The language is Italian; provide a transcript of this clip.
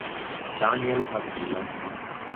Daniel Padilla